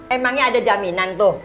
emang nya ada jaminan tuh